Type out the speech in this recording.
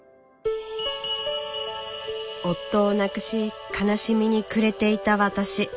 夫を亡くし悲しみに暮れていた私。